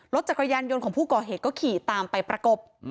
รถจักรยานยนต์ของผู้ก่อเหตุก็ขี่ตามไปประกบ